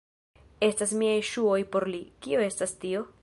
Estas miaj ŝuoj por li. Kio estas tio?